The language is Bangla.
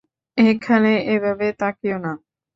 এখানে এভাবে তাকিয়ো না।